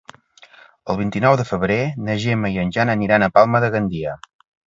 El vint-i-nou de febrer na Gemma i en Jan aniran a Palma de Gandia.